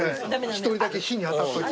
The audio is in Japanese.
１人だけ日に当たっといて。